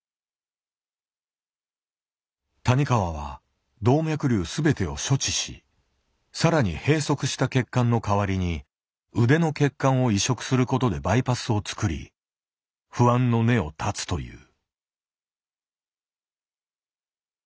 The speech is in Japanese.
谷川は動脈瘤全てを処置しさらに閉塞した血管の代わりに腕の血管を移植することでバイパスを作り不安の根を絶つという。